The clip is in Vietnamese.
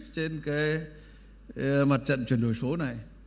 trên mặt trận chuyển đổi số này